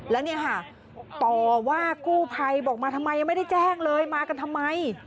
แล้วเนี่ยค่ะต่อว่ากู้ภัยบอกมาทำไมยังไม่ได้แจ้งเลยมากันทำไม